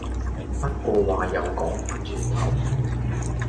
不過話又講番轉頭